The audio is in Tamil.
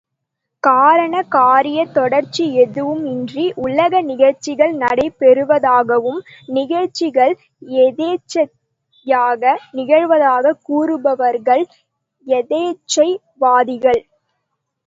காரண காரியத் தொடர்ச்சியெதுவும் இன்றி உலக நிகழ்ச்சிகள் நடைபெறுவதாகவும், நிகழ்ச்சிகள் யதேச்சையாக நிகழ்வதாகக் கூறுபவர்கள் யதேச்சை வாதிகள்.